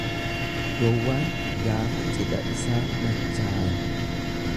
Gowwaan gaafa cidha isaa machaaya.